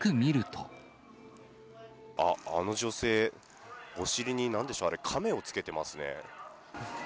あの女性、お尻になんでしょう、亀をつけていますね。